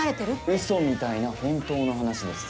うそみたいな本当の話です。